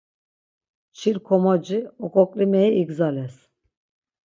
Çil-komoci oǩoǩlimeri igzales.